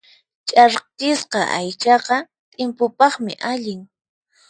Ch'arkisqa aychaqa t'impupaqmi allin.